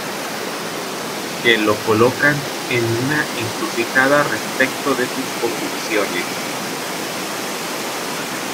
Que lo colocan en una encrucijada respecto de sus convicciones.